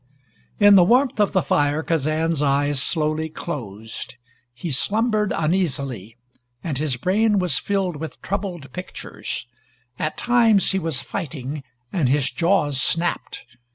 In the warmth of the fire, Kazan's eyes slowly closed. He slumbered uneasily, and his brain was filled with troubled pictures. At times he was fighting, and his jaws snapped.